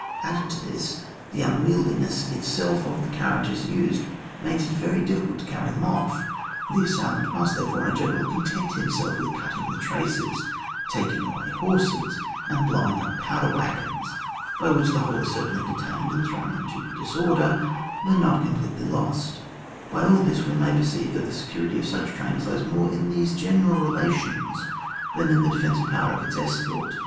Added to this the unwieldiness itself of the carriages used, makes it very difficult to carry them off ; the assailant must therefore, in general, content himself with cutting the traces, taking away the horses, and blowing up powder wagons, by which the whole is certainly detained and thrown into dis order, but not completely lost ; by all this we may perceive, that the security of such trains lies more in these general relations than in the defensive power of its escort.